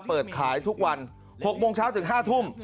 เปิดขายทุกวัน๖โมงเช้าถึง๕ทุ่ม